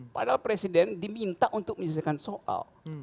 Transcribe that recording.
padahal presiden diminta untuk menyelesaikan soal